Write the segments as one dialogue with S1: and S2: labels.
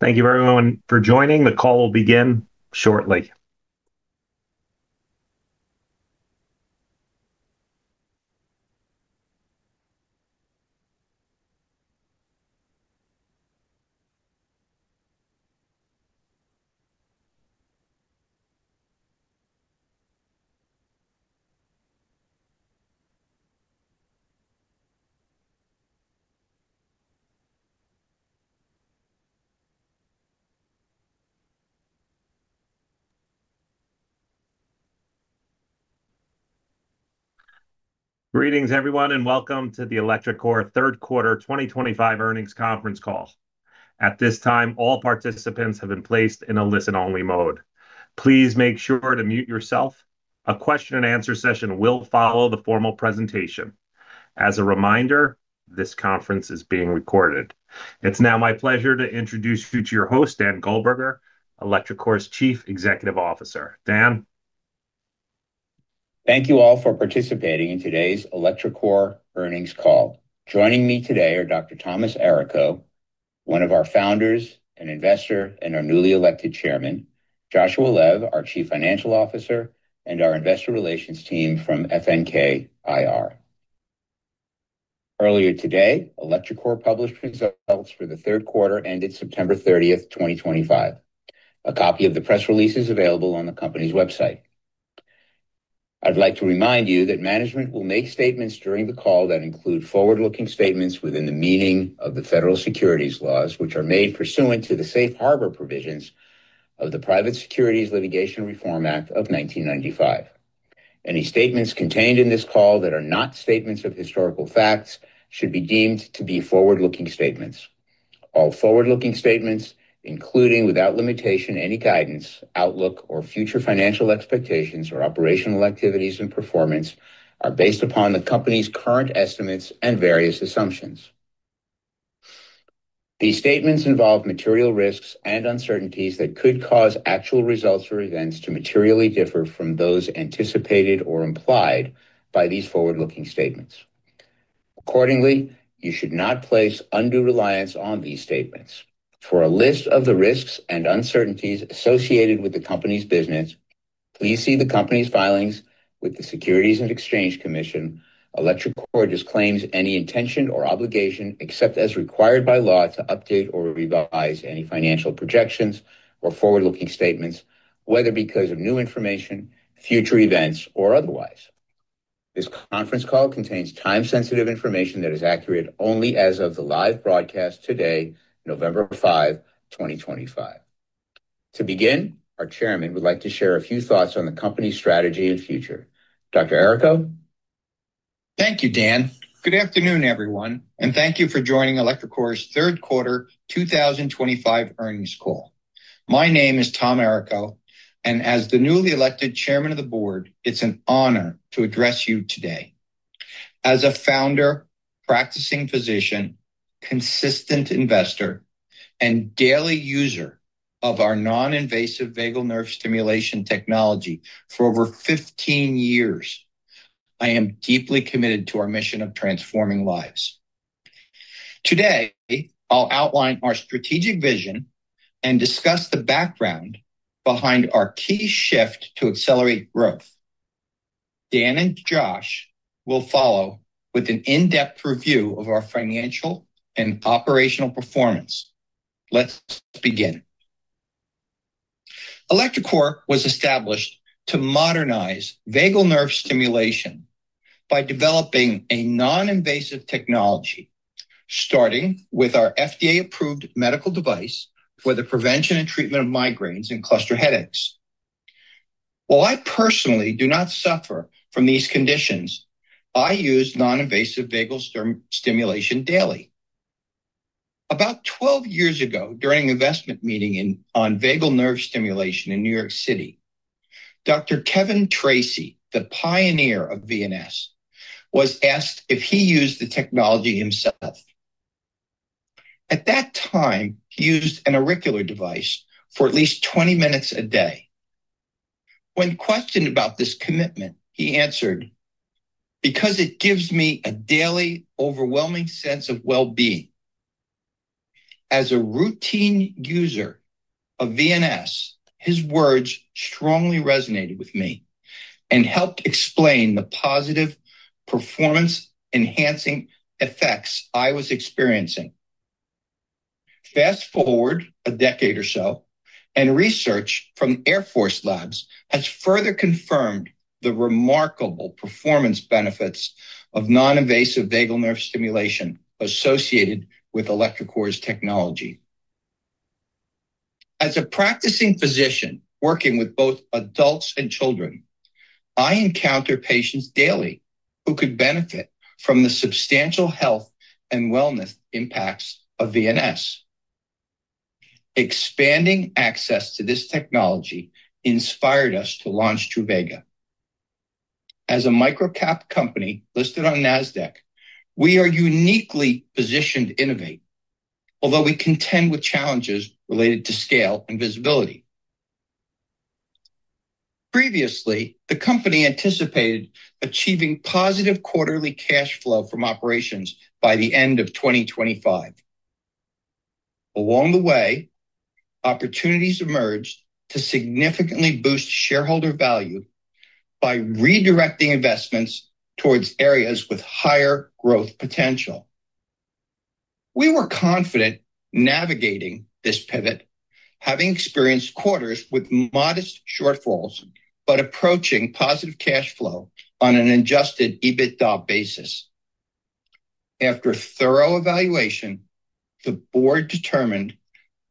S1: Thank you, everyone, for joining. The call will begin shortly. Greetings, everyone, and welcome to the electroCore Third Quarter 2025 Earnings Conference Call. At this time, all participants have been placed in a listen-only mode. Please make sure to mute yourself. A question-and-answer session will follow the formal presentation. As a reminder, this conference is being recorded. It's now my pleasure to introduce you to your host, Dan Goldberger, electroCore's Chief Executive Officer. Dan.
S2: Thank you all for participating in today's electroCore Earnings Call. Joining me today are Dr. Thomas Errico, one of our founders and investor, and our newly elected chairman, Joshua Lev, our Chief Financial Officer, and our investor relations team from FNKIR. Earlier today, electroCore published results for the third quarter ended September 30, 2025. A copy of the press release is available on the company's website. I'd like to remind you that management will make statements during the call that include forward-looking statements within the meaning of the federal securities laws, which are made pursuant to the safe harbor provisions of the Private Securities Litigation Reform Act of 1995. Any statements contained in this call that are not statements of historical facts should be deemed to be forward-looking statements. All forward-looking statements, including without limitation any guidance, outlook, or future financial expectations or operational activities and performance, are based upon the company's current estimates and various assumptions. These statements involve material risks and uncertainties that could cause actual results or events to materially differ from those anticipated or implied by these forward-looking statements. Accordingly, you should not place undue reliance on these statements. For a list of the risks and uncertainties associated with the company's business, please see the company's filings with the Securities and Exchange Commission. electroCore disclaims any intention or obligation, except as required by law, to update or revise any financial projections or forward-looking statements, whether because of new information, future events, or otherwise. This conference call contains time-sensitive information that is accurate only as of the live broadcast today, November 5, 2025. To begin, our Chairman would like to share a few thoughts on the company's strategy and future. Dr. Errico.
S3: Thank you, Dan. Good afternoon, everyone, and thank you for joining electroCore's Third Quarter 2025 Earnings Call. My name is Tom Errico, and as the newly elected Chairman of the Board, it's an honor to address you today. As a founder, practicing physician, consistent investor, and daily user of our non-invasive vagal nerve stimulation technology for over 15 years, I am deeply committed to our mission of transforming lives. Today, I'll outline our strategic vision and discuss the background behind our key shift to accelerate growth. Dan and Josh will follow with an in-depth review of our financial and operational performance. Let's begin. electroCore was established to modernize vagal nerve stimulation by developing a non-invasive technology, starting with our FDA-approved medical device for the prevention and treatment of migraines and cluster headaches. While I personally do not suffer from these conditions, I use non-invasive vagal stimulation daily. About 12 years ago, during an investment meeting on vagal nerve stimulation in New York City, Dr. Kevin Tracey, the pioneer of VNS, was asked if he used the technology himself. At that time, he used an auricular device for at least 20 minutes a day. When questioned about this commitment, he answered, "Because it gives me a daily overwhelming sense of well-being." As a routine user of VNS, his words strongly resonated with me and helped explain the positive performance-enhancing effects I was experiencing. Fast forward a decade or so, and research from Air Force Labs has further confirmed the remarkable performance benefits of non-invasive vagal nerve stimulation associated with electroCore's technology. As a practicing physician working with both adults and children, I encounter patients daily who could benefit from the substantial health and wellness impacts of VNS. Expanding access to this technology inspired us to launch Truvaga. As a microcap company listed on NASDAQ, we are uniquely positioned to innovate, although we contend with challenges related to scale and visibility. Previously, the company anticipated achieving positive quarterly cash flow from operations by the end of 2025. Along the way, opportunities emerged to significantly boost shareholder value by redirecting investments towards areas with higher growth potential. We were confident navigating this pivot, having experienced quarters with modest shortfalls but approaching positive cash flow on an adjusted EBITDA basis. After thorough evaluation, the board determined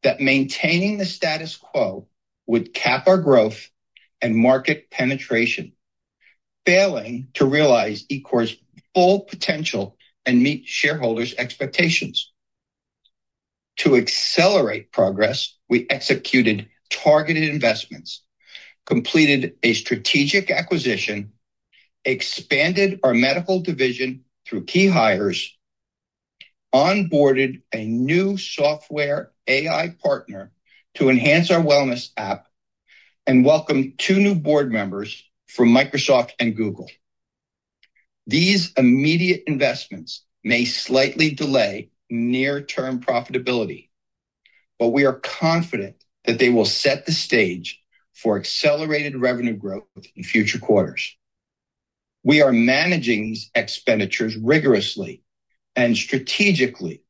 S3: that maintaining the status quo would cap our growth and market penetration, failing to realize electroCore's full potential and meet shareholders' expectations. To accelerate progress, we executed targeted investments, completed a strategic acquisition, expanded our medical division through key hires, onboarded a new software AI partner to enhance our wellness app, and welcomed two new board members from Microsoft and Google. These immediate investments may slightly delay near-term profitability, but we are confident that they will set the stage for accelerated revenue growth in future quarters. We are managing these expenditures rigorously and strategically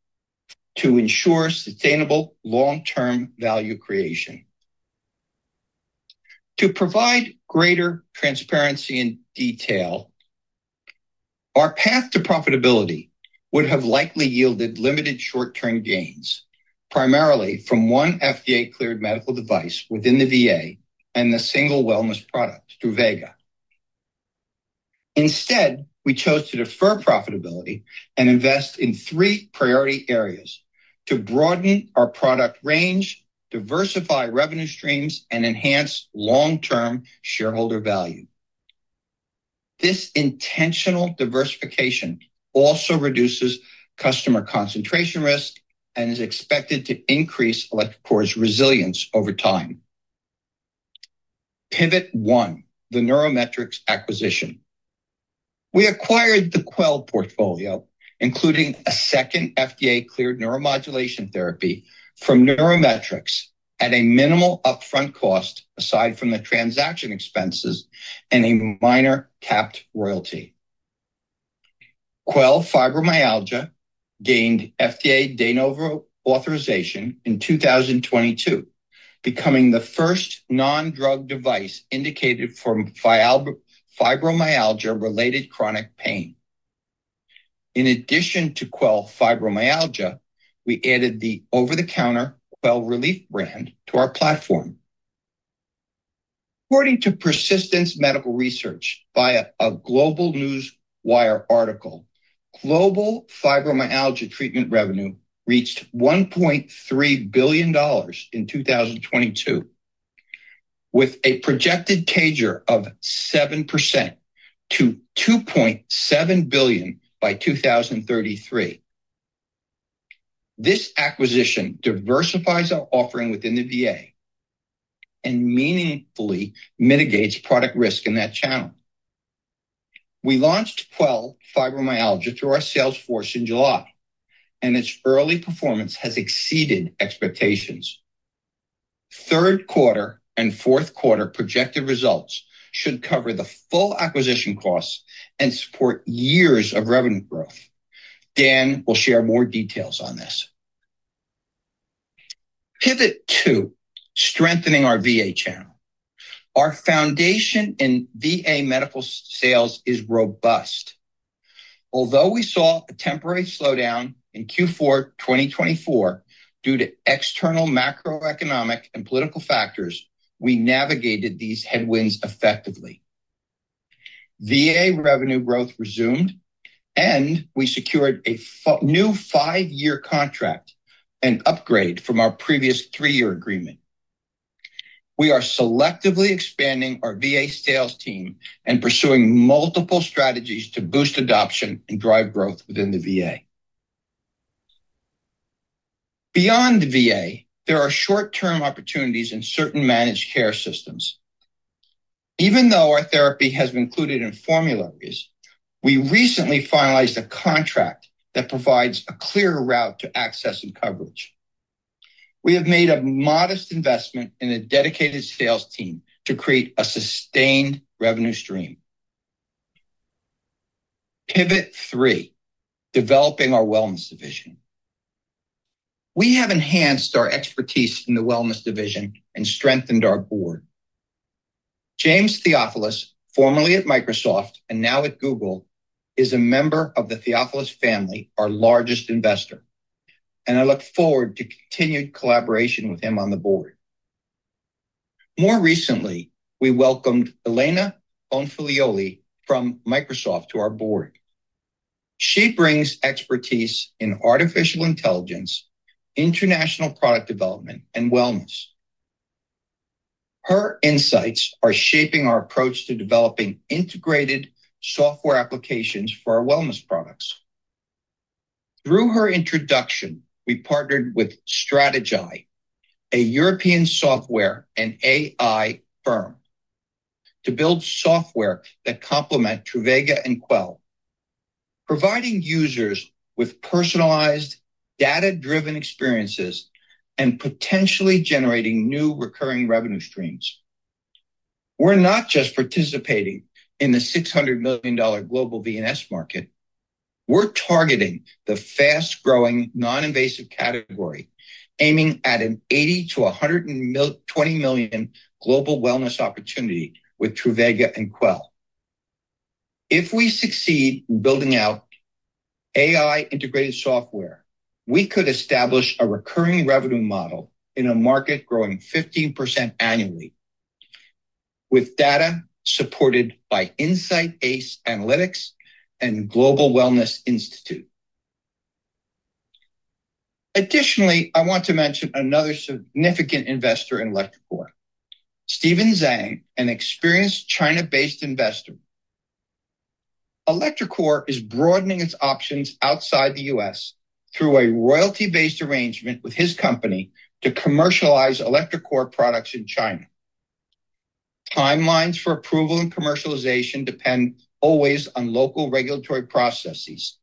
S3: to ensure sustainable long-term value creation. To provide greater transparency and detail, our path to profitability would have likely yielded limited short-term gains, primarily from one FDA-cleared medical device within the VA and a single wellness product, Truvaga. Instead, we chose to defer profitability and invest in three priority areas to broaden our product range, diversify revenue streams, and enhance long-term shareholder value. This intentional diversification also reduces customer concentration risk and is expected to increase electroCore's resilience over time. Pivot One, the NeuroMetrix acquisition. We acquired the Quell portfolio, including a second FDA-cleared neuromodulation therapy from NeuroMetrix at a minimal upfront cost aside from the transaction expenses and a minor capped royalty. Quell Fibromyalgia gained FDA de novo authorization in 2022, becoming the first non-drug device indicated for fibromyalgia-related chronic pain. In addition to Quell Fibromyalgia, we added the over-the-counter Quell Relief brand to our platform. According to Persistence Medical Research via a Global NewsWire article, global fibromyalgia treatment revenue reached $1.3 billion in 2022, with a projected CAGR of 7% to $2.7 billion by 2033. This acquisition diversifies our offering within the VA and meaningfully mitigates product risk in that channel. We launched Quell Fibromyalgia through our sales force in July, and its early performance has exceeded expectations. Third quarter and fourth quarter projected results should cover the full acquisition costs and support years of revenue growth. Dan will share more details on this. Pivot Two, strengthening our VA channel. Our foundation in VA medical sales is robust. Although we saw a temporary slowdown in Q4 2024 due to external macroeconomic and political factors, we navigated these headwinds effectively. VA revenue growth resumed, and we secured a new five-year contract, an upgrade from our previous three-year agreement. We are selectively expanding our VA sales team and pursuing multiple strategies to boost adoption and drive growth within the VA. Beyond the VA, there are short-term opportunities in certain managed care systems. Even though our therapy has been included in formularies, we recently finalized a contract that provides a clear route to access and coverage. We have made a modest investment in a dedicated sales team to create a sustained revenue stream. Pivot Three, developing our wellness division. We have enhanced our expertise in the wellness division and strengthened our board. James Theophilus, formerly at Microsoft and now at Google, is a member of the Theophilus family, our largest investor, and I look forward to continued collaboration with him on the board. More recently, we welcomed Elena Bonfiglioli from Microsoft to our board. She brings expertise in artificial intelligence, international product development, and wellness. Her insights are shaping our approach to developing integrated software applications for our wellness products. Through her introduction, we partnered with Stratigy, a European software and AI firm, to build software that complements Truvaga and Quell, providing users with personalized, data-driven experiences and potentially generating new recurring revenue streams. We're not just participating in the $600 million global VNS market. We're targeting the fast-growing non-invasive category, aiming at an $80 million-$120 million global wellness opportunity with Truvaga and Quell. If we succeed in building out. AI-integrated software, we could establish a recurring revenue model in a market growing 15% annually, with data supported by Insight Ace Analytics and Global Wellness Institute. Additionally, I want to mention another significant investor in electroCore, Stephen Zhang, an experienced China-based investor. electroCore is broadening its options outside the U.S. through a royalty-based arrangement with his company to commercialize electroCore products in China. Timelines for approval and commercialization depend always on local regulatory processes,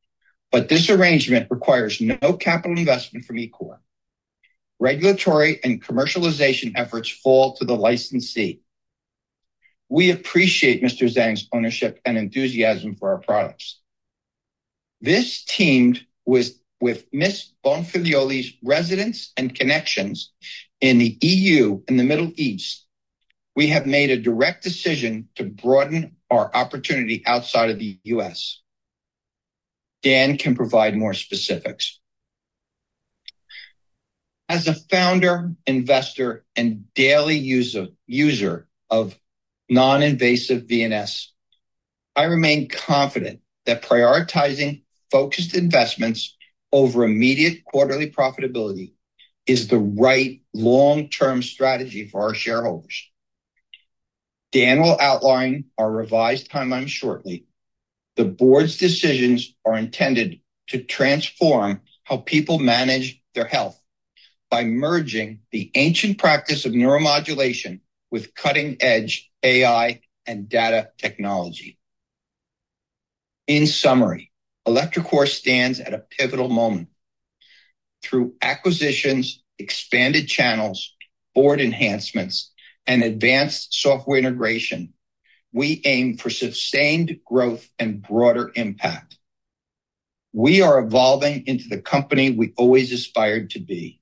S3: but this arrangement requires no capital investment from electroCore. Regulatory and commercialization efforts fall to the licensee. We appreciate Mr. Zhang's ownership and enthusiasm for our products. This teamed with Ms. Bonfilioli's residence and connections in the EU and the Middle East. We have made a direct decision to broaden our opportunity outside of the U.S. Dan can provide more specifics. As a founder, investor, and daily user of non-invasive VNS. I remain confident that prioritizing focused investments over immediate quarterly profitability is the right long-term strategy for our shareholders. Dan will outline our revised timeline shortly. The board's decisions are intended to transform how people manage their health by merging the ancient practice of neuromodulation with cutting-edge AI and data technology. In summary, electroCore stands at a pivotal moment. Through acquisitions, expanded channels, board enhancements, and advanced software integration, we aim for sustained growth and broader impact. We are evolving into the company we always aspired to be.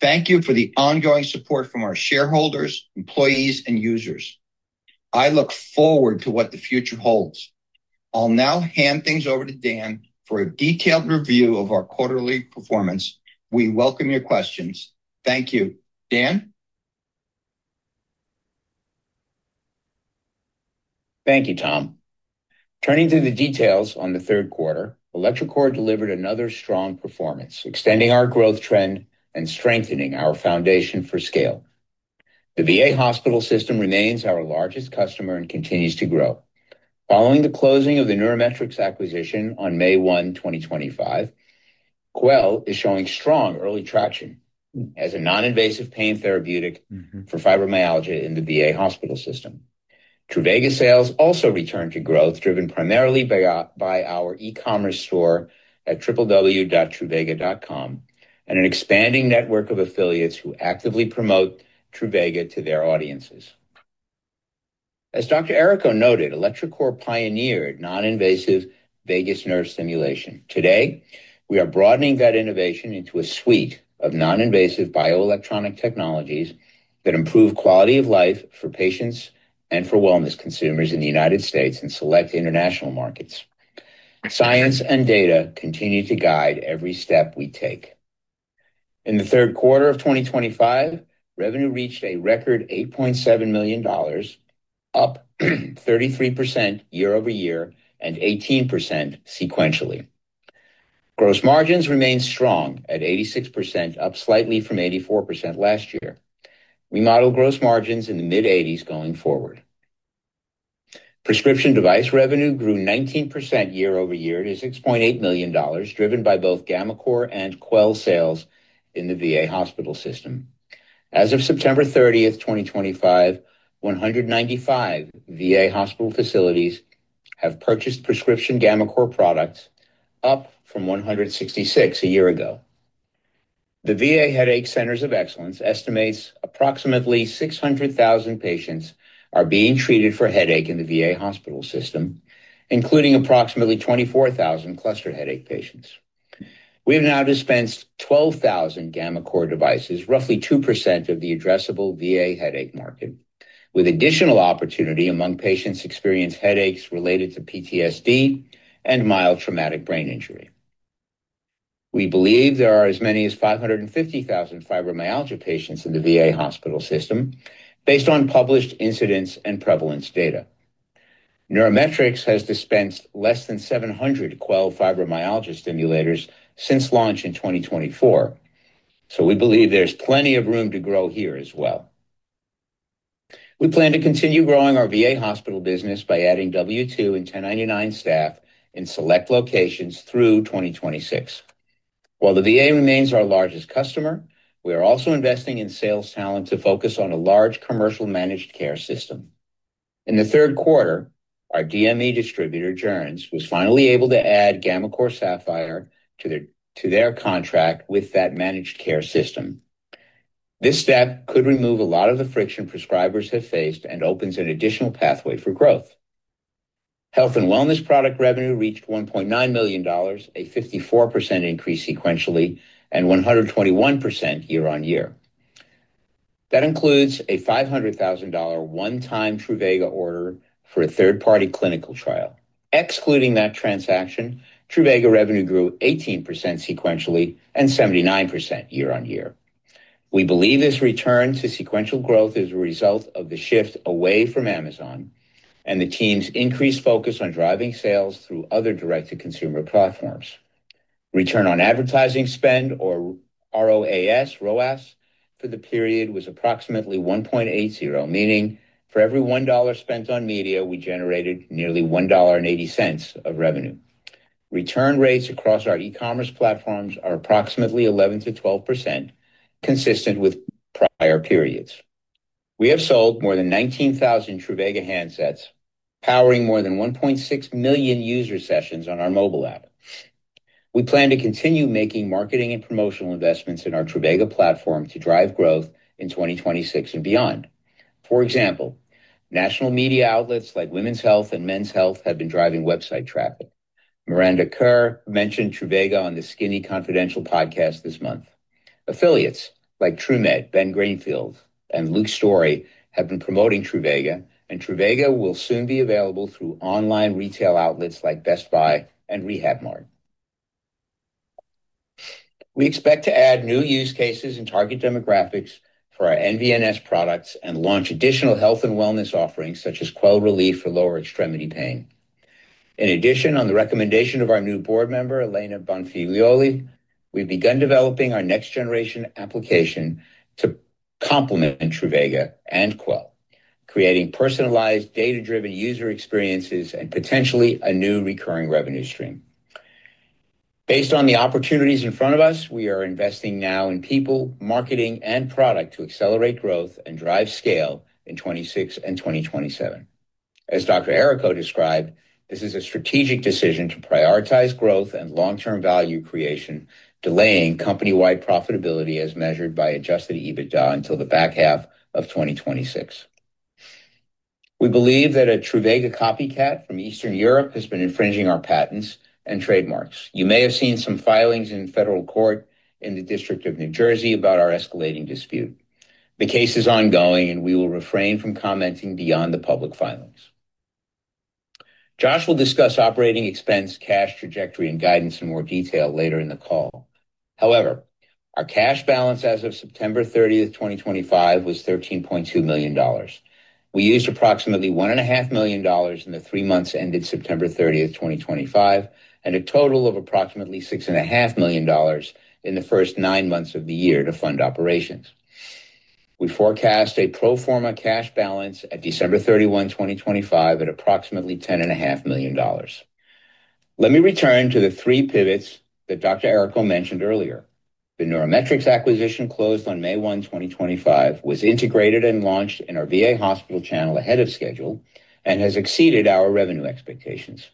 S3: Thank you for the ongoing support from our shareholders, employees, and users. I look forward to what the future holds. I'll now hand things over to Dan for a detailed review of our quarterly performance. We welcome your questions. Thank you. Dan.
S2: Thank you, Tom. Turning to the details on the third quarter, electroCore delivered another strong performance, extending our growth trend and strengthening our foundation for scale. The VA hospital system remains our largest customer and continues to grow. Following the closing of the NeuroMetrix acquisition on May 1, 2025, Quell is showing strong early traction as a non-invasive pain therapeutic for fibromyalgia in the VA hospital system. Truvaga sales also returned to growth, driven primarily by our e-commerce store at www.truvaga.com and an expanding network of affiliates who actively promote Truvaga to their audiences. As Dr. Errico noted, electroCore pioneered non-invasive vagal nerve stimulation. Today, we are broadening that innovation into a suite of non-invasive bioelectronic technologies that improve quality of life for patients and for wellness consumers in the United States and select international markets. Science and data continue to guide every step we take. In the third quarter of 2025, revenue reached a record $8.7 million. Up 33% year over year and 18% sequentially. Gross margins remain strong at 86%, up slightly from 84% last year. We model gross margins in the mid-80s going forward. Prescription device revenue grew 19% year over year to $6.8 million, driven by both gammaCore and Quell sales in the VA hospital system. As of September 30th, 2025, 195 VA hospital facilities have purchased prescription gammaCore products, up from 166 a year ago. The VA Headache Centers of Excellence estimates approximately 600,000 patients are being treated for headache in the VA hospital system, including approximately 24,000 cluster headache patients. We have now dispensed 12,000 gammaCore devices, roughly 2% of the addressable VA headache market, with additional opportunity among patients experiencing headaches related to PTSD and mild traumatic brain injury. We believe there are as many as 550,000 fibromyalgia patients in the VA hospital system based on published incidence and prevalence data. NeuroMetrix has dispensed less than 700 Quell Fibromyalgia stimulators since launch in 2024. We believe there's plenty of room to grow here as well. We plan to continue growing our VA hospital business by adding W-2 and 1099 staff in select locations through 2026. While the VA remains our largest customer, we are also investing in sales talent to focus on a large commercial managed care system. In the third quarter, our DME distributor, Joerns, was finally able to add gammaCore Sapphire to their contract with that managed care system. This step could remove a lot of the friction prescribers have faced and opens an additional pathway for growth. Health and wellness product revenue reached $1.9 million, a 54% increase sequentially and 121% year on year. That includes a $500,000 one-time Truvaga order for a third-party clinical trial. Excluding that transaction, Truvaga revenue grew 18% sequentially and 79% year on year. We believe this return to sequential growth is a result of the shift away from Amazon and the team's increased focus on driving sales through other direct-to-consumer platforms. Return on Advertising Spend, or ROAS, for the period was approximately 1.80, meaning for every $1 spent on media, we generated nearly $1.80 of revenue. Return rates across our e-commerce platforms are approximately 11%-12%, consistent with prior periods. We have sold more than 19,000 Truvaga handsets, powering more than 1.6 million user sessions on our mobile app. We plan to continue making marketing and promotional investments in our Truvaga platform to drive growth in 2026 and beyond. For example, national media outlets like Women's Health and Men's Health have been driving website traffic. Miranda Kerr mentioned Truvaga on the Skinny Confidential podcast this month. Affiliates like Truemed, Ben Greenfield, and Luke Storey have been promoting Truvaga, and Truvaga will soon be available through online retail outlets like Best Buy and Rehab Mart. We expect to add new use cases and target demographics for our NVNS products and launch additional health and wellness offerings such as Quell Relief for lower extremity pain. In addition, on the recommendation of our new board member, Elena Bonfiglioli, we've begun developing our next-generation application to complement Truvaga and Quell, creating personalized, data-driven user experiences and potentially a new recurring revenue stream. Based on the opportunities in front of us, we are investing now in people, marketing, and product to accelerate growth and drive scale in 2026 and 2027. As Dr. Ericco described, this is a strategic decision to prioritize growth and long-term value creation, delaying company-wide profitability as measured by adjusted EBITDA until the back half of 2026. We believe that a Truvaga copycat from Eastern Europe has been infringing our patents and trademarks. You may have seen some filings in federal court in the District of New Jersey about our escalating dispute. The case is ongoing, and we will refrain from commenting beyond the public filings. Josh will discuss operating expense, cash trajectory, and guidance in more detail later in the call. However, our cash balance as of September 30th, 2025, was $13.2 million. We used approximately $1.5 million in the three months ended September 30th, 2025, and a total of approximately $6.5 million in the first nine months of the year to fund operations. We forecast a pro forma cash balance at December 31, 2025, at approximately $10.5 million. Let me return to the three pivots that Dr. Errico mentioned earlier. The NeuroMetrix acquisition closed on May 1, 2025, was integrated and launched in our VA hospital channel ahead of schedule and has exceeded our revenue expectations.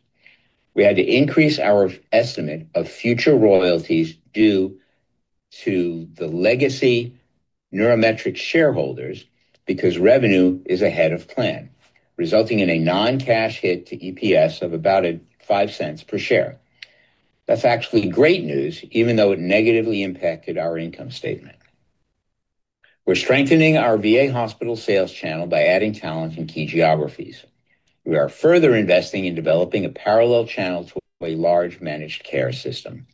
S2: We had to increase our estimate of future royalties due to the legacy NeuroMetrix shareholders because revenue is ahead of plan, resulting in a non-cash hit to EPS of about $0.05 per share. That's actually great news, even though it negatively impacted our income statement. We're strengthening our VA hospital sales channel by adding talent in key geographies. We are further investing in developing a parallel channel to a large managed care system.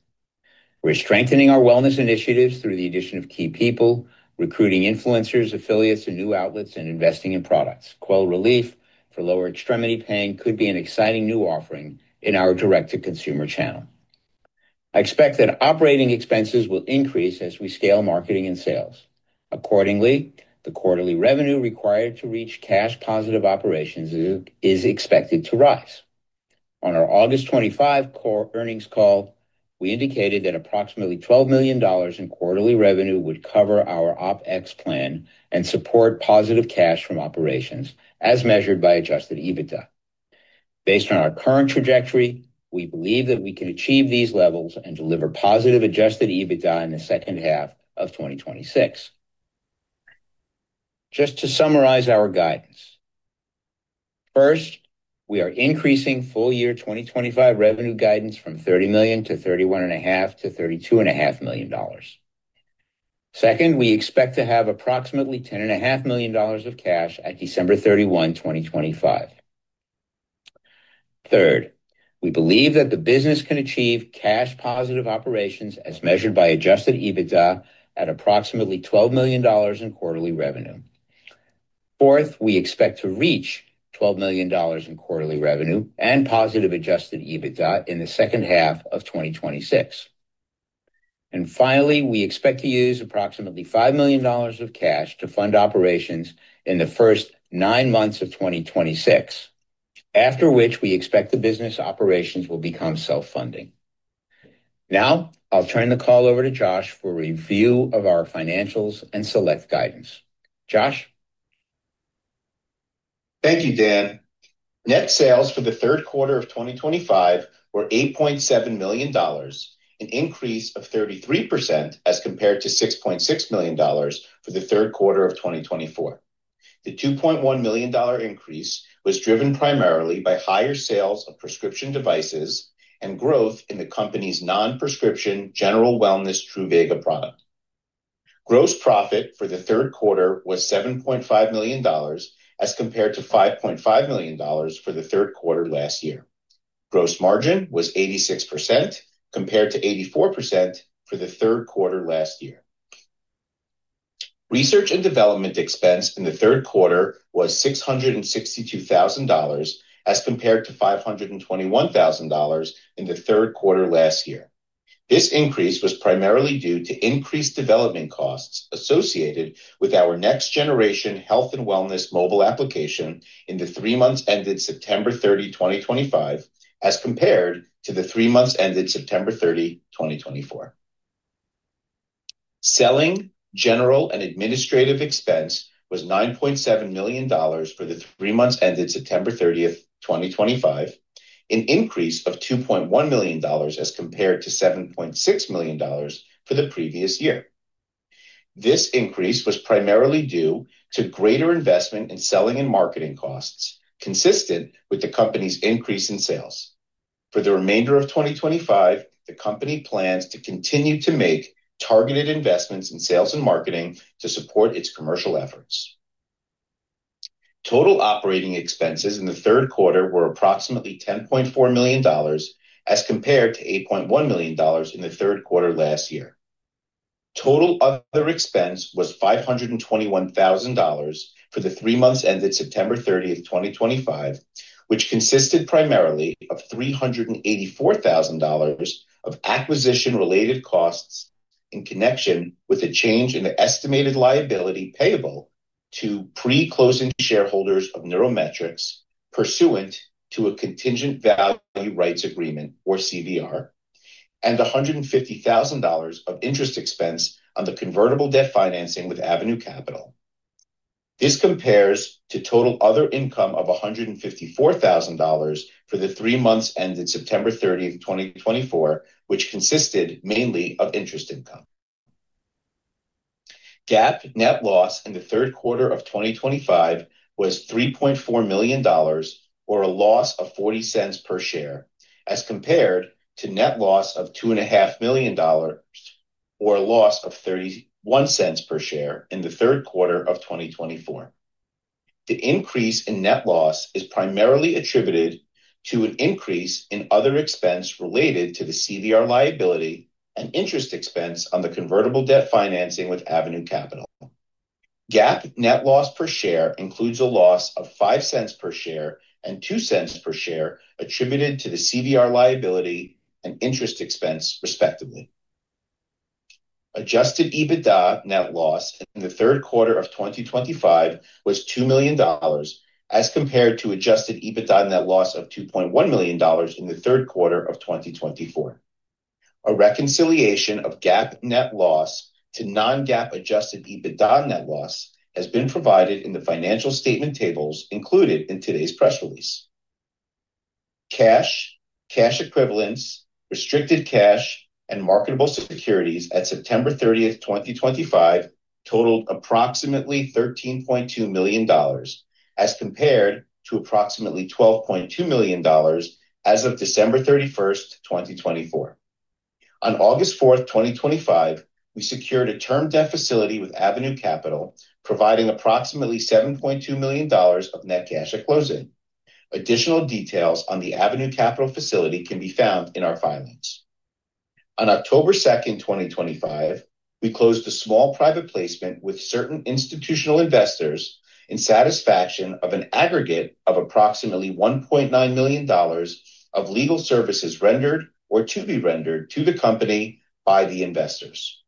S2: We're strengthening our wellness initiatives through the addition of key people, recruiting influencers, affiliates, and new outlets, and investing in products. Quell Relief for lower extremity pain could be an exciting new offering in our direct-to-consumer channel. I expect that operating expenses will increase as we scale marketing and sales. Accordingly, the quarterly revenue required to reach cash-positive operations is expected to rise. On our August 25 Core Earnings Call, we indicated that approximately $12 million in quarterly revenue would cover our OpEx plan and support positive cash from operations, as measured by adjusted EBITDA. Based on our current trajectory, we believe that we can achieve these levels and deliver positive adjusted EBITDA in the second half of 2026. Just to summarize our guidance. First, we are increasing full year 2025 revenue guidance from $30 million to $31.5 million to $32.5 million. Second, we expect to have approximately $10.5 million of cash at December 31, 2025. Third, we believe that the business can achieve cash-positive operations as measured by adjusted EBITDA at approximately $12 million in quarterly revenue. Fourth, we expect to reach $12 million in quarterly revenue and positive adjusted EBITDA in the second half of 2026. Finally, we expect to use approximately $5 million of cash to fund operations in the first nine months of 2026. After which, we expect the business operations will become self-funding. Now, I'll turn the call over to Josh for a review of our financials and select guidance. Josh.
S4: Thank you, Dan. Net sales for the third quarter of 2025 were $8.7 million, an increase of 33% as compared to $6.6 million for the third quarter of 2024. The $2.1 million increase was driven primarily by higher sales of prescription devices and growth in the company's non-prescription general wellness Truvaga product. Gross profit for the third quarter was $7.5 million as compared to $5.5 million for the third quarter last year. Gross margin was 86% compared to 84% for the third quarter last year. Research and development expense in the third quarter was $662,000 as compared to $521,000 in the third quarter last year. This increase was primarily due to increased development costs associated with our next-generation health and wellness mobile application in the three months ended September 30, 2025, as compared to the three months ended September 30, 2024. Selling, general, and administrative expense was $9.7 million for the three months ended September 30th, 2025, an increase of $2.1 million as compared to $7.6 million for the previous year. This increase was primarily due to greater investment in selling and marketing costs, consistent with the company's increase in sales. For the remainder of 2025, the company plans to continue to make targeted investments in sales and marketing to support its commercial efforts. Total operating expenses in the third quarter were approximately $10.4 million, as compared to $8.1 million in the third quarter last year. Total other expense was $521,000 for the three months ended September 30, 2025, which consisted primarily of $384,000 of acquisition-related costs in connection with a change in the estimated liability payable to pre-closing shareholders of NeuroMetrix pursuant to a contingent value rights agreement, or CVR, and $150,000 of interest expense on the convertible debt financing with Avenue Capital. This compares to total other income of $154,000 for the three months ended September 30, 2024, which consisted mainly of interest income. GAAP net loss in the third quarter of 2025 was $3.4 million, or a loss of $0.40 per share, as compared to net loss of $2.5 million, or a loss of $0.31 per share in the third quarter of 2024. The increase in net loss is primarily attributed to an increase in other expense related to the CVR liability and interest expense on the convertible debt financing with Avenue Capital. GAAP net loss per share includes a loss of $0.05 per share and $0.02 per share attributed to the CVR liability and interest expense, respectively. Adjusted EBITDA net loss in the third quarter of 2025 was $2 million, as compared to adjusted EBITDA net loss of $2.1 million in the third quarter of 2024. A reconciliation of GAAP net loss to non-GAAP adjusted EBITDA net loss has been provided in the financial statement tables included in today's press release. Cash, cash equivalents, restricted cash, and marketable securities at September 30, 2025, totaled approximately $13.2 million, as compared to approximately $12.2 million as of December 31, 2024. On August 4, 2025, we secured a term debt facility with Avenue Capital, providing approximately $7.2 million of net cash at closing. Additional details on the Avenue Capital facility can be found in our filings. On October 2, 2025, we closed a small private placement with certain institutional investors in satisfaction of an aggregate of approximately $1.9 million of legal services rendered or to be rendered to the company by the investors.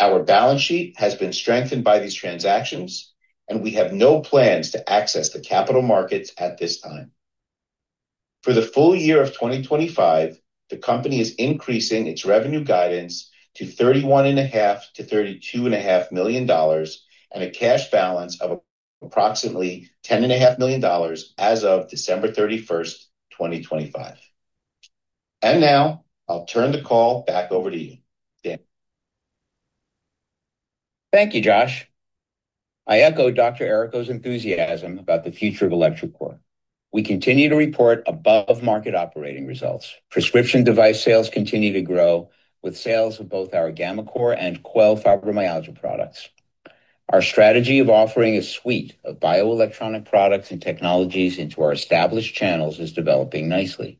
S4: Our balance sheet has been strengthened by these transactions, and we have no plans to access the capital markets at this time. For the full year of 2025, the company is increasing its revenue guidance to $31.5 million-$32.5 million. A cash balance of approximately $10.5 million as of December 31, 2025. I'll turn the call back over to you, Dan.
S2: Thank you, Josh. I echo Dr. Errico's enthusiasm about the future of electroCore. We continue to report above-market operating results. Prescription device sales continue to grow with sales of both our gammaCore and Quell Fibromyalgia products. Our strategy of offering a suite of bioelectronic products and technologies into our established channels is developing nicely.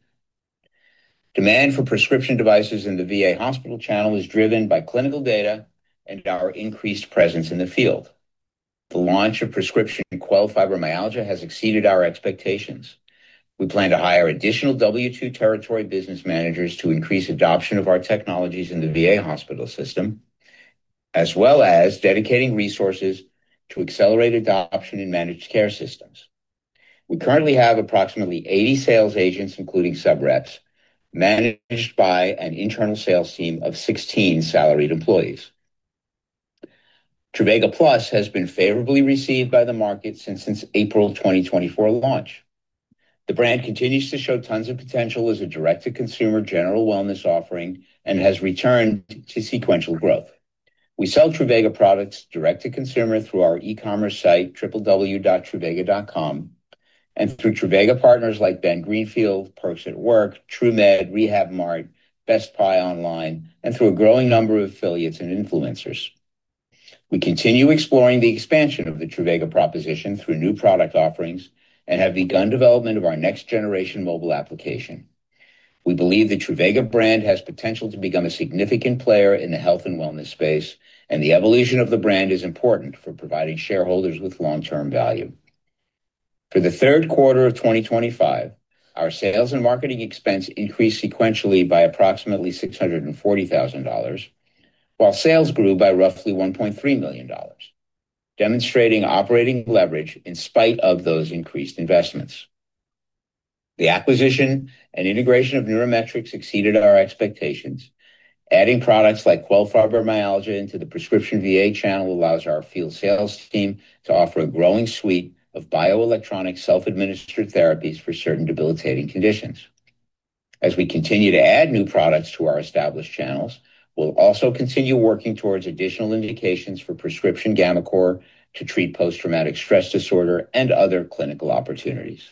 S2: Demand for prescription devices in the VA hospital channel is driven by clinical data and our increased presence in the field. The launch of prescription Quell Fibromyalgia has exceeded our expectations. We plan to hire additional W-2 territory business managers to increase adoption of our technologies in the VA hospital system, as well as dedicating resources to accelerate adoption in managed care systems. We currently have approximately 80 sales agents, including subreps, managed by an internal sales team of 16 salaried employees. Truvaga Plus has been favorably received by the market since its April 2024 launch. The brand continues to show tons of potential as a direct-to-consumer general wellness offering and has returned to sequential growth. We sell Truvaga products direct-to-consumer through our e-commerce site, www.truvaga.com, and through Truvaga partners like Ben Greenfield, Perks at Work, Truemed, Rehab Mart, Best Buy Online, and through a growing number of affiliates and influencers. We continue exploring the expansion of the Truvaga proposition through new product offerings and have begun development of our next-generation mobile application. We believe the Truvaga brand has potential to become a significant player in the health and wellness space, and the evolution of the brand is important for providing shareholders with long-term value. For the third quarter of 2025, our sales and marketing expense increased sequentially by approximately $640,000. While sales grew by roughly $1.3 million, demonstrating operating leverage in spite of those increased investments. The acquisition and integration of NeuroMetrix exceeded our expectations. Adding products like Quell Fibromyalgia into the prescription VA channel allows our field sales team to offer a growing suite of bioelectronic self-administered therapies for certain debilitating conditions. As we continue to add new products to our established channels, we'll also continue working towards additional indications for prescription gammaCore to treat post-traumatic stress disorder and other clinical opportunities.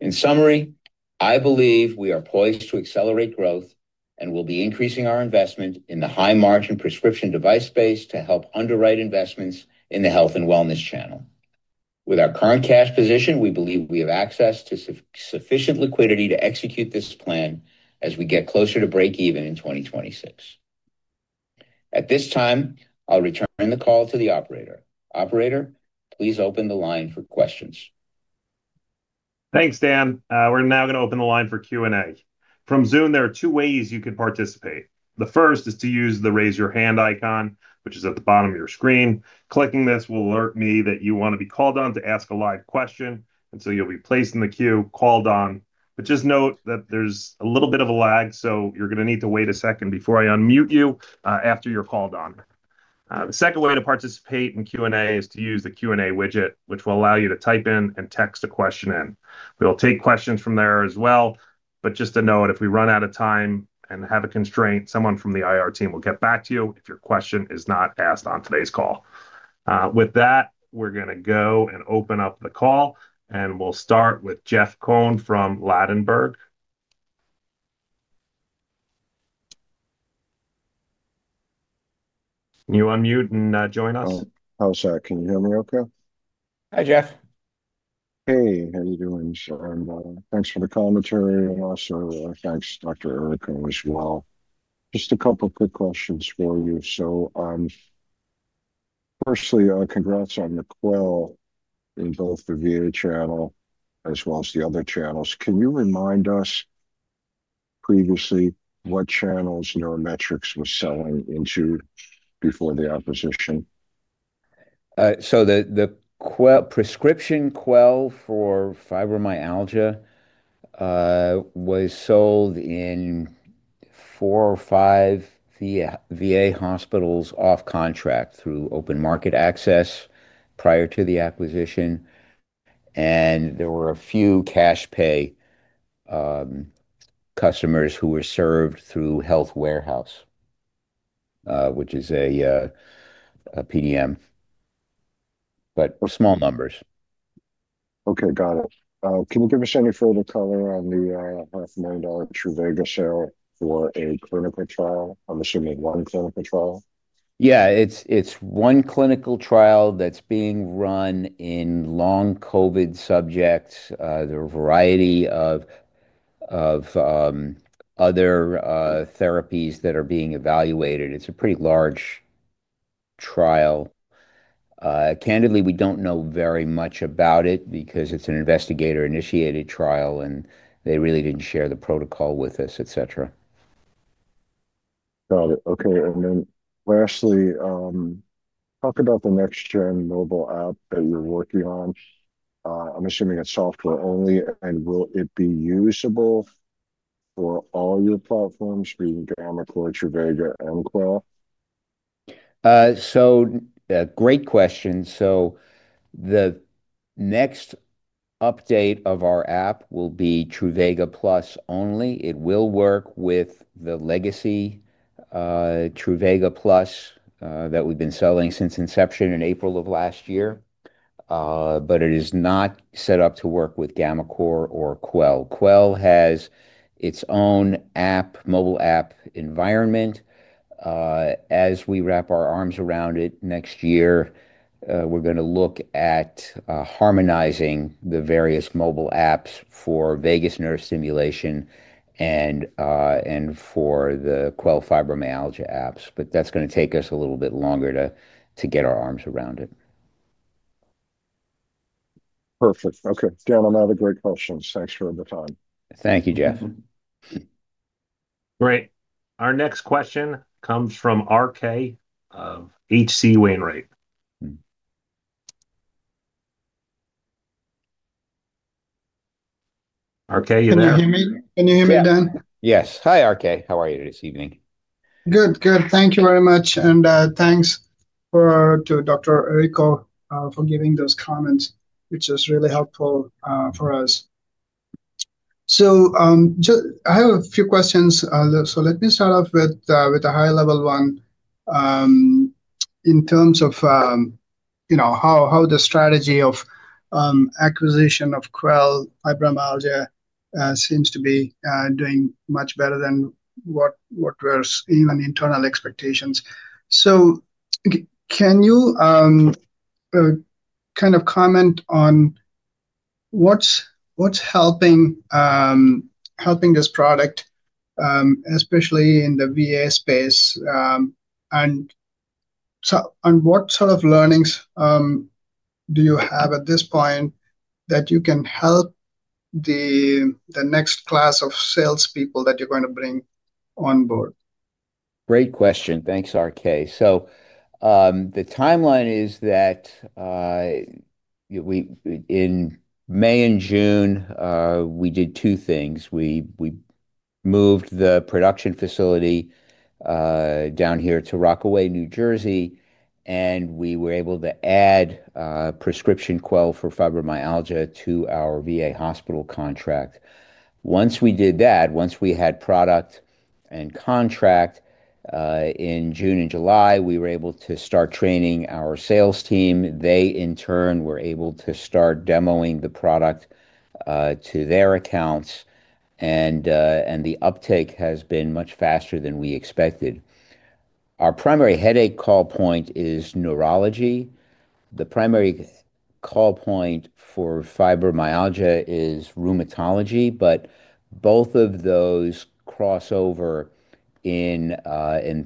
S2: In summary, I believe we are poised to accelerate growth and will be increasing our investment in the high-margin prescription device space to help underwrite investments in the health and wellness channel. With our current cash position, we believe we have access to sufficient liquidity to execute this plan as we get closer to break-even in 2026. At this time, I'll return the call to the operator. Operator, please open the line for questions.
S1: Thanks, Dan. We're now going to open the line for Q&A. From Zoom, there are two ways you can participate. The first is to use the raise-your-hand icon, which is at the bottom of your screen. Clicking this will alert me that you want to be called on to ask a live question. You will be placed in the queue, called on. Just note that there's a little bit of a lag, so you're going to need to wait a second before I unmute you after you're called on. The second way to participate in Q&A is to use the Q&A widget, which will allow you to type in and text a question in. We'll take questions from there as well. Just to note, if we run out of time and have a constraint, someone from the IR team will get back to you if your question is not asked on today's call. With that, we're going to go and open up the call. We'll start with Jeff Cohen from Ladenburg. Can you unmute and join us?
S5: Hi, Sir. Can you hear me okay?
S2: Hi, Jeff.
S5: Hey, how are you doing, Sir? Thanks for the commentary. Also, thanks, Dr. Errico, as well. Just a couple of quick questions for you. Firstly, congrats on the Quell in both the VA channel as well as the other channels. Can you remind us. Previously what channels NeuroMetrix was selling into. Before the acquisition?
S2: The prescription Quell for fibromyalgia was sold in four or five VA hospitals off contract through open market access prior to the acquisition. There were a few cash pay customers who were served through Health Warehouse, which is a PDM, but small numbers.
S5: Okay, got it. Can you give us any further color on the $500,000 Truvaga sale for a clinical trial? I'm assuming one clinical trial.
S2: Yeah, it's one clinical trial that's being run in long COVID subjects. There are a variety of other therapies that are being evaluated. It's a pretty large trial. Candidly, we don't know very much about it because it's an investigator-initiated trial, and they really didn't share the protocol with us, etc.
S5: Got it. Okay. Lastly, talk about the next-gen mobile app that you're working on. I'm assuming it's software only. And will it be usable for all your platforms, being gammaCore, Truvaga, and Quell?
S2: So. Great question. So. The next update of our app will be Truvaga Plus only. It will work with the legacy Truvaga Plus that we've been selling since inception in April of last year. But it is not set up to work with gammaCore or Quell. Quell has its own mobile app environment. As we wrap our arms around it next year, we're going to look at harmonizing the various mobile apps for vagus nerve stimulation and for the Quell Fibromyalgia apps. But that's going to take us a little bit longer to get our arms around it.
S5: Perfect. Okay. Dan, on other great questions. Thanks for the time.
S2: Thank you, Jeff.
S1: Great. Our next question comes from RK of H.C. Wainwright. RK, you there?
S6: Can you hear me, Dan?
S2: Yes. Hi, RK. How are you this evening?
S6: Good, good. Thank you very much. And thanks to Dr. Errico for giving those comments, which is really helpful for us. I have a few questions. Let me start off with a high-level one. In terms of how the strategy of acquisition of Quell Fibromyalgia seems to be doing much better than what we're seeing in internal expectations. Can you kind of comment on what's helping this product, especially in the VA space? What sort of learnings do you have at this point that you can help the next class of salespeople that you're going to bring on board?
S2: Great question. Thanks, RK. The timeline is that in May and June, we did two things. We moved the production facility down here to Rockaway, New Jersey, and we were able to add. Prescription Quell for fibromyalgia to our VA hospital contract. Once we did that, once we had product and contract. In June and July, we were able to start training our sales team. They, in turn, were able to start demoing the product to their accounts. The uptake has been much faster than we expected. Our primary headache call point is neurology. The primary call point for fibromyalgia is rheumatology, but both of those cross over. In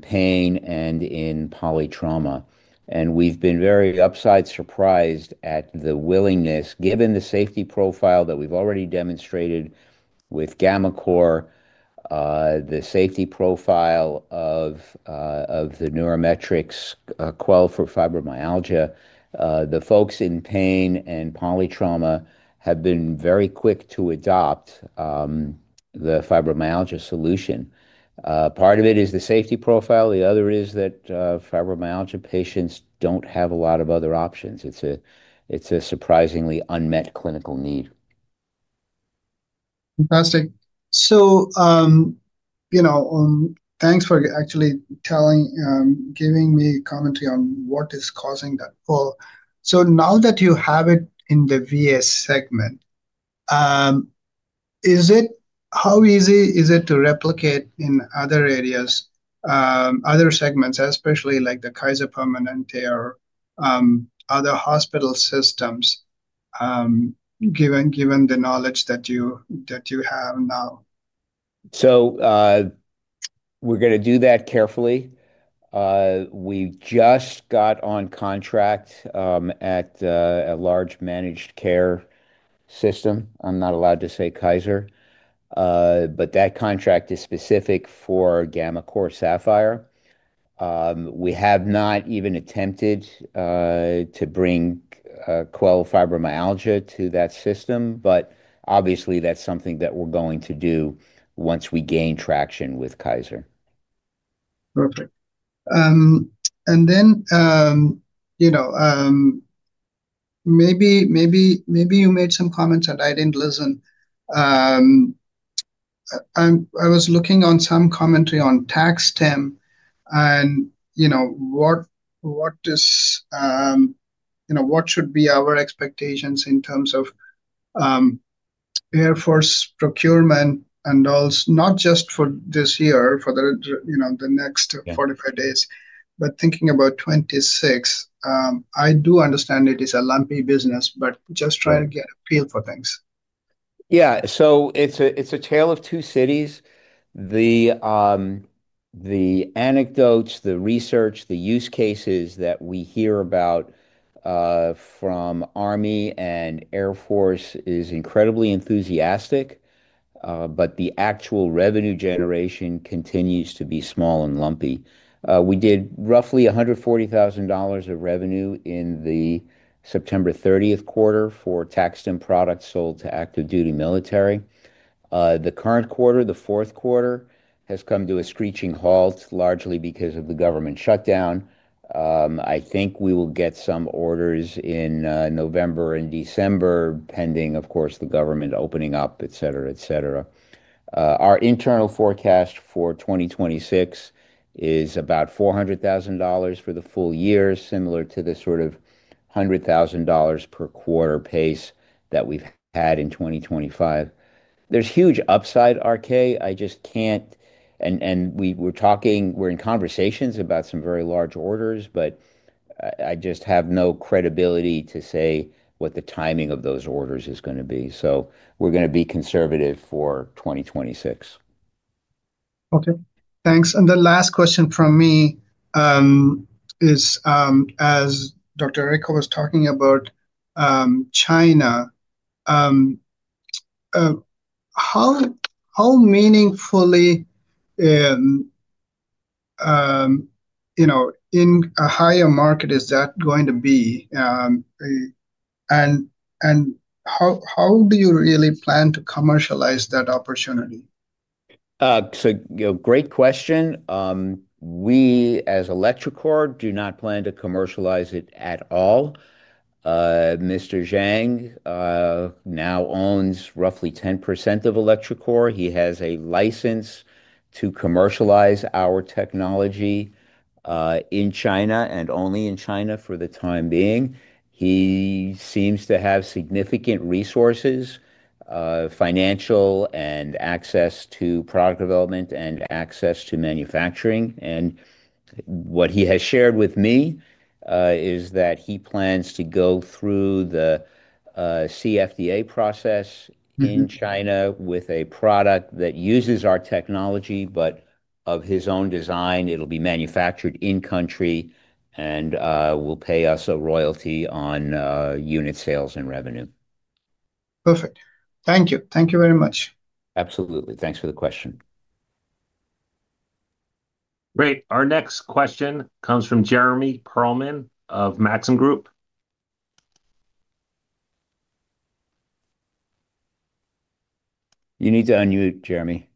S2: pain and in polytrauma. We have been very upside surprised at the willingness, given the safety profile that we have already demonstrated with gammaCore. The safety profile of the NeuroMetrix Quell for fibromyalgia. The folks in pain and polytrauma have been very quick to adopt the fibromyalgia solution. Part of it is the safety profile. The other is that fibromyalgia patients do not have a lot of other options. It is a surprisingly unmet clinical need.
S6: Fantastic. Thanks for actually giving me commentary on what is causing that. Now that you have it in the VA segment, how easy is it to replicate in other areas, other segments, especially like the Kaiser Permanente or other hospital systems, given the knowledge that you have now?
S2: We're going to do that carefully. We just got on contract at a large managed care system. I'm not allowed to say Kaiser, but that contract is specific for gammaCore Sapphire. We have not even attempted to bring Quell Fibromyalgia to that system, but obviously, that's something that we're going to do once we gain traction with Kaiser.
S6: Perfect. Maybe you made some comments that I didn't listen. I was looking on some commentary on tax time. What should be our expectations in terms of. Air Force procurement, and not just for this year, for the next 45 days, but thinking about 2026. I do understand it is a lumpy business, but just trying to get a feel for things.
S2: Yeah. It is a tale of two cities. The anecdotes, the research, the use cases that we hear about from Army and Air Force is incredibly enthusiastic. The actual revenue generation continues to be small and lumpy. We did roughly $140,000 of revenue in the September 30 quarter for TAC-STIM products sold to active-duty military. The current quarter, the fourth quarter, has come to a screeching halt, largely because of the government shutdown. I think we will get some orders in November and December, pending, of course, the government opening up, etc., etc. Our internal forecast for 2026 is about $400,000 for the full year, similar to the sort of $100,000 per quarter pace that we've had in 2025. There's huge upside, RK. I just can't. We are in conversations about some very large orders, but I just have no credibility to say what the timing of those orders is going to be. We are going to be conservative for 2026.
S6: Okay. Thanks. The last question from me is, as Dr. Errico was talking about China, how meaningfully in a higher market is that going to be? How do you really plan to commercialize that opportunity?
S2: Great question. We, as electroCore, do not plan to commercialize it at all. Mr. Zhang now owns roughly 10% of electroCore. He has a license to commercialize our technology in China and only in China for the time being. He seems to have significant resources, financial and access to product development and access to manufacturing. What he has shared with me is that he plans to go through the CFDA process in China with a product that uses our technology, but of his own design. It'll be manufactured in-country and will pay us a royalty on unit sales and revenue.
S6: Perfect. Thank you. Thank you very much.
S2: Absolutely. Thanks for the question.
S1: Great. Our next question comes from Jeremy Perlman of Maxim Group.
S2: You need to unmute, Jeremy.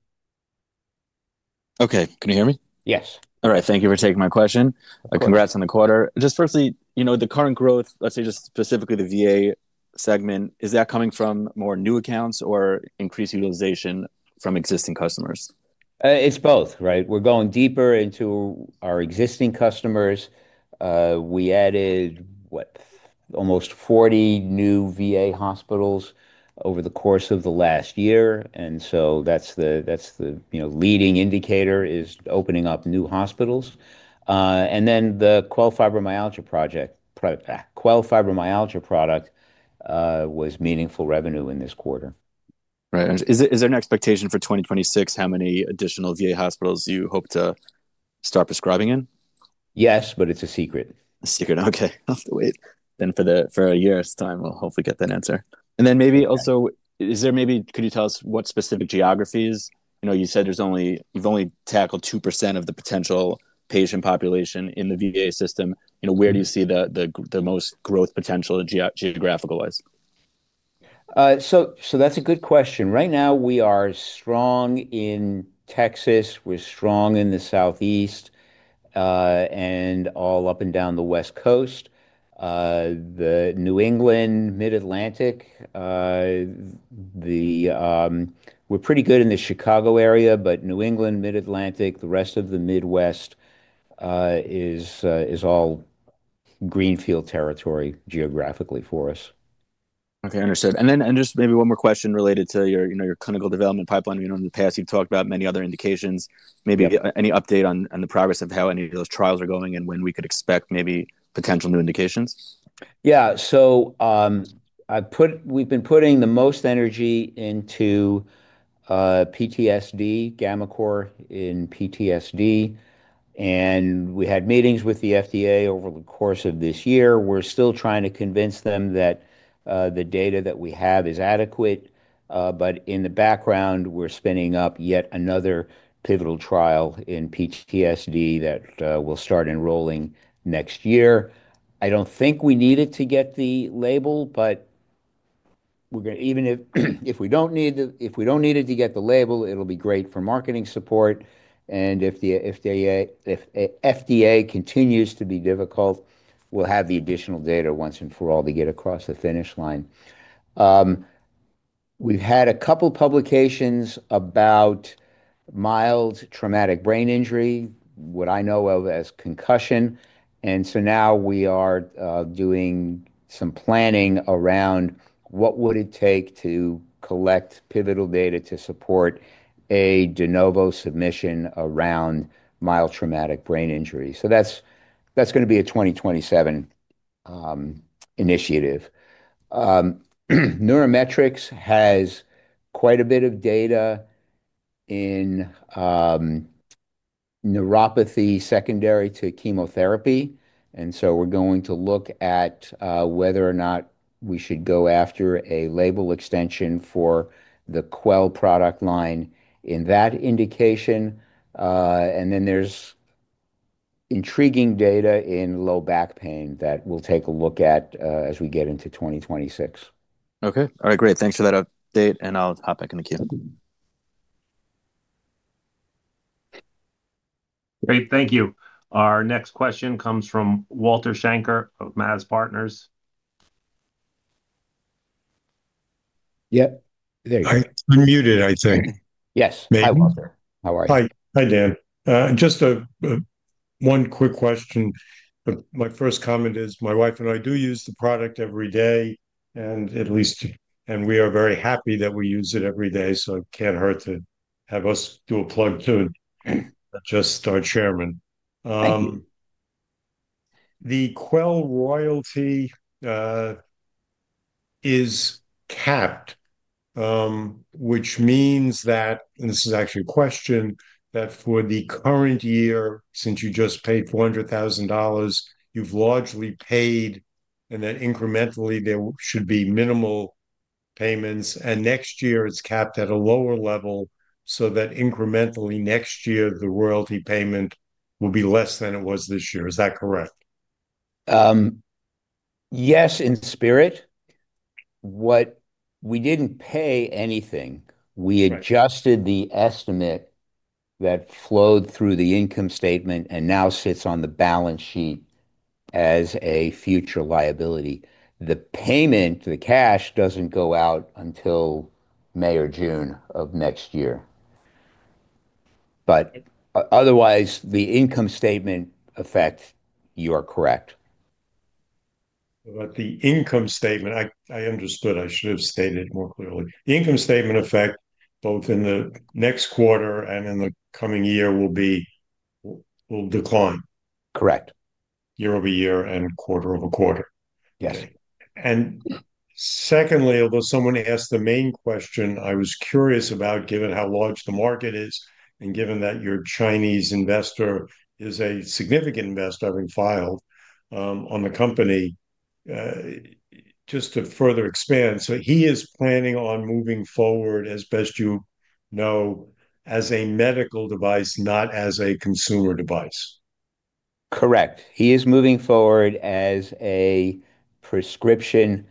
S7: Okay. Can you hear me?
S2: Yes.
S7: All right. Thank you for taking my question. Congrats on the quarter. Just firstly, the current growth, let's say just specifically the VA segment, is that coming from more new accounts or increased utilization from existing customers?
S2: It's both, right? We're going deeper into our existing customers. We added, what, almost 40 new VA hospitals over the course of the last year. That is the leading indicator, opening up new hospitals. The Quell Fibromyalgia project, Quell Fibromyalgia product, was meaningful revenue in this quarter.
S7: Right. Is there an expectation for 2026 how many additional VA hospitals you hope to start prescribing in?
S2: Yes, but it's a secret.
S7: A secret. Okay. I'll have to wait. For a year's time, we'll hopefully get that answer. Maybe also, could you tell us what specific geographies? You said you've only tackled 2% of the potential patient population in the VA system. Where do you see the most growth potential geographic-wise?
S2: That is a good question. Right now, we are strong in Texas. We're strong in the Southeast and all up and down the West Coast, the New England, Mid-Atlantic. We're pretty good in the Chicago area, but New England, Mid-Atlantic, the rest of the Midwest is all greenfield territory geographically for us.
S7: Okay. Understood. And then just maybe one more question related to your clinical development pipeline. In the past, you've talked about many other indications. Maybe any update on the progress of how any of those trials are going and when we could expect maybe potential new indications?
S2: Yeah. We've been putting the most energy into PTSD, gammaCore in PTSD. We had meetings with the FDA over the course of this year. We're still trying to convince them that the data that we have is adequate. In the background, we're spinning up yet another pivotal trial in PTSD that we'll start enrolling next year. I don't think we need it to get the label, but. Even if we don't need it to get the label, it'll be great for marketing support. If the FDA continues to be difficult, we'll have the additional data once and for all to get across the finish line. We've had a couple of publications about mild traumatic brain injury, what I know of as concussion. Now we are doing some planning around what would it take to collect pivotal data to support a de novo submission around mild traumatic brain injury. That's going to be a 2027 initiative. NeuroMetrix has quite a bit of data in neuropathy secondary to chemotherapy. We're going to look at whether or not we should go after a label extension for the Quell product line in that indication. There's intriguing data in low back pain that we'll take a look at as we get into 2026.
S7: Okay. All right. Great. Thanks for that update. I'll hop back in the queue.
S2: Great. Thank you. Our next question comes from Walter Schenker of MAZ Partners. Yep. There you go.
S8: Unmuted, I think.
S2: Yes. Hi, Walter. How are you?
S8: Hi, Dan. Just one quick question. My first comment is my wife and I do use the product every day, and we are very happy that we use it every day. It can't hurt to have us do a plug to just our chairman.
S2: Thank you.
S8: The Quell royalty is capped, which means that, and this is actually a question, that for the current year, since you just paid $400,000, you've largely paid, and then incrementally, there should be minimal payments. Next year, it's capped at a lower level so that incrementally, next year, the royalty payment will be less than it was this year. Is that correct?
S2: Yes, in spirit. We didn't pay anything. We adjusted the estimate that flowed through the income statement and now sits on the balance sheet as a future liability. The payment, the cash, doesn't go out until May or June of next year. Otherwise, the income statement effect, you are correct.
S8: About the income statement, I understood. I should have stated more clearly. The income statement effect, both in the next quarter and in the coming year, will decline.
S2: Correct.
S8: Year over year and quarter over quarter.
S2: Yes.
S8: Secondly, although someone asked the main question I was curious about, given how large the market is and given that your Chinese investor is a significant investor having filed on the company. Just to further expand. He is planning on moving forward, as best you know, as a medical device, not as a consumer device.
S2: Correct. He is moving forward as a prescription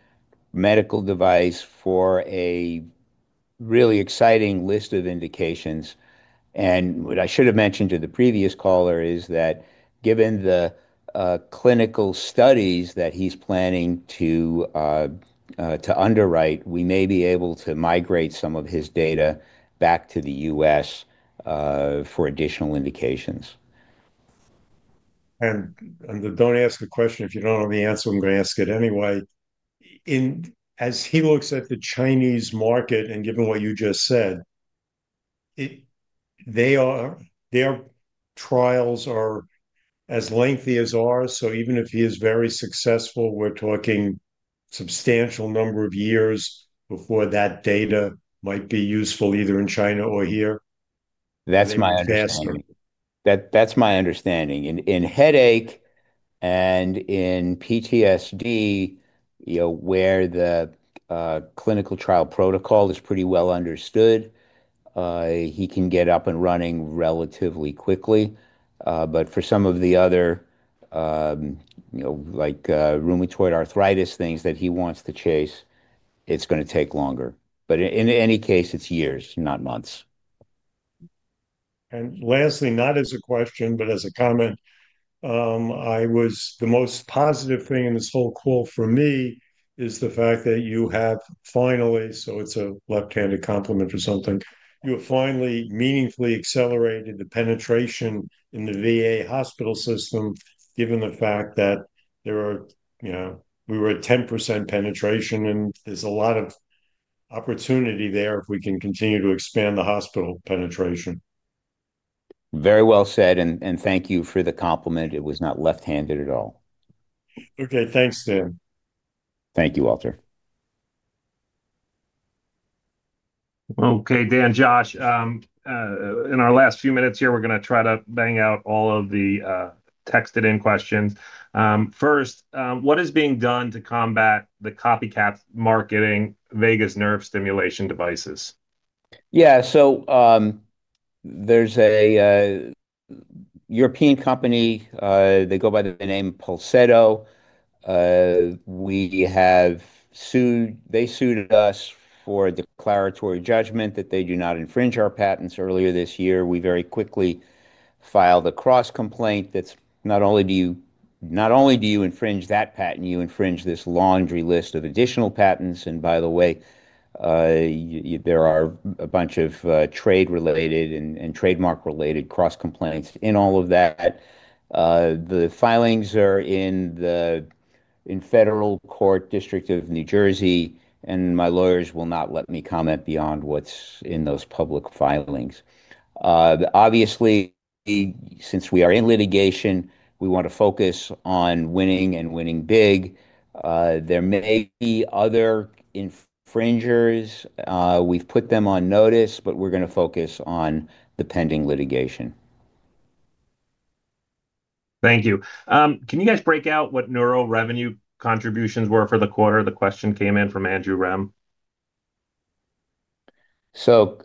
S2: medical device for a really exciting list of indications. What I should have mentioned to the previous caller is that given the clinical studies that he's planning to underwrite, we may be able to migrate some of his data back to the U.S. for additional indications.
S8: Don't ask a question if you don't know the answer. I'm going to ask it anyway. As he looks at the Chinese market, and given what you just said, their trials are as lengthy as ours. Even if he is very successful, we're talking a substantial number of years before that data might be useful either in China or here.
S2: That's my understanding. That's my understanding. In headache and in PTSD, where the clinical trial protocol is pretty well understood, he can get up and running relatively quickly. For some of the other. Like rheumatoid arthritis things that he wants to chase, it's going to take longer. In any case, it's years, not months.
S8: Lastly, not as a question, but as a comment. The most positive thing in this whole call for me is the fact that you have finally—so it's a left-handed compliment or something—you have finally meaningfully accelerated the penetration in the VA hospital system, given the fact that there are. We were at 10% penetration, and there's a lot of opportunity there if we can continue to expand the hospital penetration.
S2: Very well said. Thank you for the compliment. It was not left-handed at all.
S8: Okay. Thanks, Dan.
S2: Thank you, Walter.
S1: Okay, Dan, Josh. In our last few minutes here, we're going to try to bang out all of the texted-in questions. First, what is being done to combat the copycat marketing vagus nerve stimulation devices?
S2: Yeah. There is a European company. They go by the name Pulsetto. They sued us for declaratory judgment that they do not infringe our patents earlier this year. We very quickly filed a cross-complaint that not only do you—not only do you infringe that patent, you infringe this laundry list of additional patents. And by the way, there are a bunch of trade-related and trademark-related cross-complaints in all of that. The filings are in Federal Court, District of New Jersey, and my lawyers will not let me comment beyond what's in those public filings. Obviously, since we are in litigation, we want to focus on winning and winning big. There may be other infringers. We've put them on notice, but we're going to focus on the pending litigation.
S1: Thank you. Can you guys break out what neuro revenue contributions were for the quarter? The question came in from Andrew Rem.
S2: Quell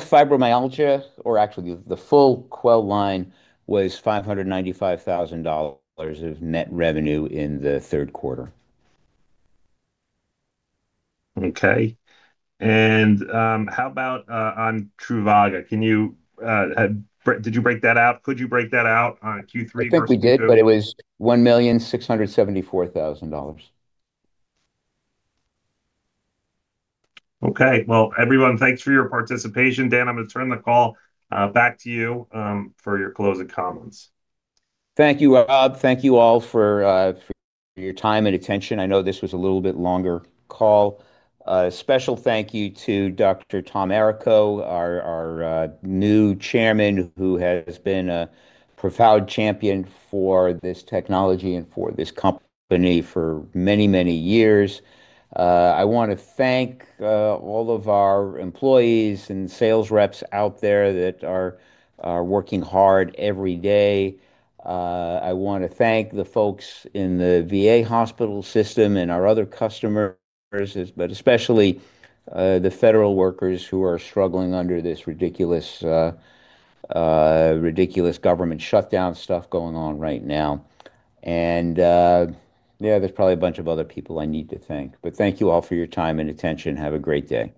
S2: Fibromyalgia, or actually the full Quell line, was $595,000 of net revenue in the third quarter.
S1: Okay. And how about on Truvaga? Did you break that out? Could you break that out on Q3?
S2: I think we did, but it was $1,674,000.
S1: Okay. Everyone, thanks for your participation. Dan, I'm going to turn the call back to you for your closing comments.
S2: Thank you, Rob. Thank you all for your time and attention. I know this was a little bit longer call. Special thank you to Dr. Thomas Errico, our new Chairman, who has been a profound champion for this technology and for this company for many, many years. I want to thank all of our employees and sales reps out there that are working hard every day. I want to thank the folks in the VA hospital system and our other customers, but especially. The federal workers who are struggling under this ridiculous government shutdown stuff going on right now. Yeah, there's probably a bunch of other people I need to thank. But thank you all for your time and attention. Have a great day.